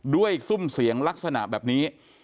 ซุ่มเสียงลักษณะแบบนี้